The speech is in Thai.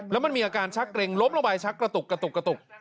แล้วมันมีอาการชักเกร็งล้มลงไปชักกระตุกกระตุกกระตุก